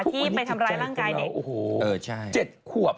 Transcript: ที่ไปทำร้ายร่างกายเด็ก๗ขวบ